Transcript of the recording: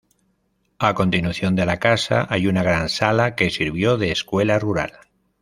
A continuación de la casa hay una gran sala, que sirvió de escuela rural.